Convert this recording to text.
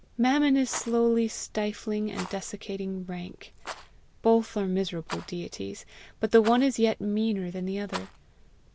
Mammon is slowly stifling and desiccating Rank; both are miserable deities, but the one is yet meaner than the other.